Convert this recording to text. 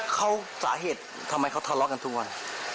เขาสาเหตุทำไมเขาทะเลาะกันทุกวัน